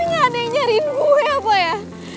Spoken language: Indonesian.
ini gak ada yang nyariin gue apa ya